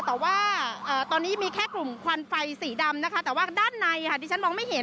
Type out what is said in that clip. แต่ว่าตอนนี้มีแค่กลุ่มควันไฟสีดำนะคะแต่ว่าด้านในดิฉันมองไม่เห็น